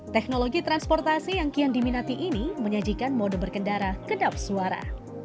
teknologi transportasi yang kian diminati ini menyajikan mode berkendara kedap suara